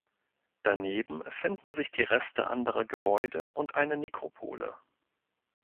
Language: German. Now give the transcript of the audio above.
Daneben finden sich die Reste anderer Gebäude und eine Nekropole.